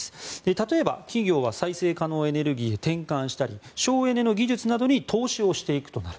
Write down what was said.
例えば、企業が再生可能エネルギーへ転換したり省エネの技術などに投資をしていくとなる。